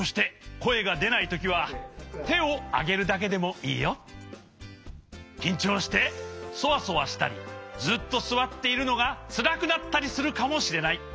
きんちょうしてきんちょうしてそわそわしたりずっとすわっているのがつらくなったりするかもしれない。